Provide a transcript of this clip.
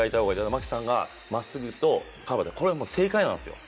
槙さんがまっすぐとカーブ正解なんですよ。